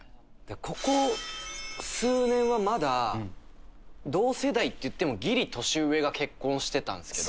ここ数年はまだ同世代っていってもギリ年上が結婚してたんですけど。